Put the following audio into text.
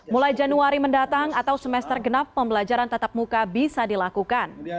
mulai januari mendatang atau semester genap pembelajaran tatap muka bisa dilakukan